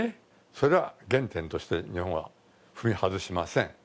それは原点として、日本は踏み外しません。